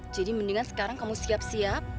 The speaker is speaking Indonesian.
jadi mendingan sekarang kamu siap siap